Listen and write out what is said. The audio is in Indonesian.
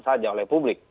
saja oleh publik